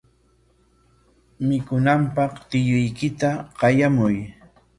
Mikunanpaq tiyuykita qayamuy.